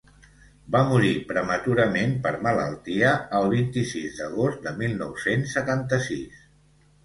Va morir prematurament per malaltia el vint-i-sis d’agost de mil nou-cents setanta-sis.